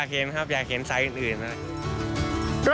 อยากเห็นครับอยากเห็นสายอื่นนะครับ